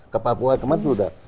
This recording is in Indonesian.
ke papua ke madu sudah